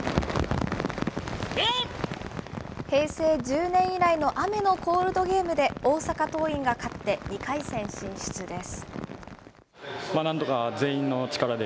平成１０年以来の雨のコールドゲームで、大阪桐蔭が勝って、２回戦進出です。